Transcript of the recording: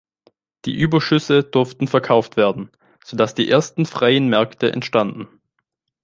Die Überschüsse durften verkauft werden, so dass die ersten freien Märkte entstanden.